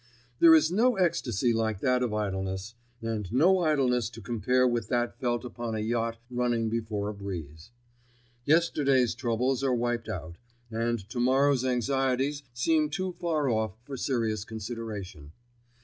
There is no ecstasy like that of idleness, and no idleness to compare with that felt upon a yacht running before a breeze. Yesterday's troubles are wiped out, and to morrow's anxieties seem too far off for serious consideration.